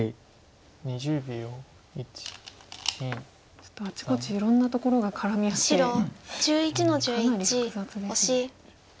ちょっとあちこちいろんなところが絡み合ってかなり複雑ですね。